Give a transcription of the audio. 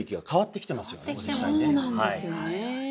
そうなんですよね。